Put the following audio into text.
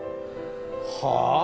はあ？